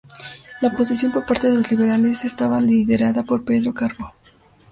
La oposición por parte de los liberales estaba liderada por Pedro Carbo.